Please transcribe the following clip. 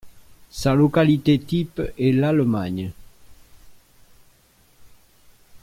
Sa localité type est l'Allemagne.